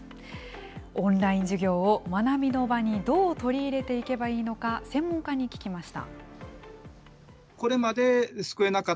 オンライン授業を学びの場にどう取り入れていけばいいのか、専門家に聞きました。